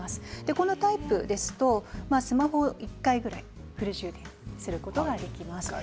このタイプですとスマホ１回分ぐらいフル充電することができます。